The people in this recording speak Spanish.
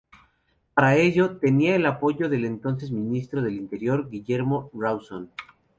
Para ello tenía el apoyo del entonces Ministro del Interior Guillermo Rawson.